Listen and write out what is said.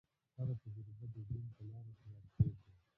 هره تجربه د ژوند په لاره کې لارښود ده.